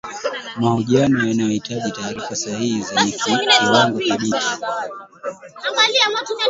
mahojiano yanahitaji taarifa sahihi zenye kiwango thabiti